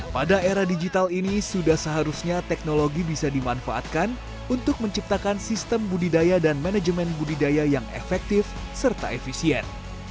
pada era digital ini sudah seharusnya teknologi bisa dimanfaatkan untuk menciptakan sistem budidaya dan manajemen budidaya yang efektif serta efisien